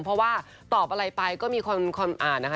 เพราะว่าตอบอะไรไปก็มีคนอ่านนะคะ